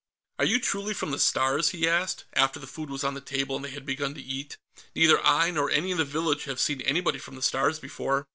"Are you truly from the Stars?" he asked, after the food was on the table and they had begun to eat. "Neither I nor any in the village have seen anybody from the Stars before."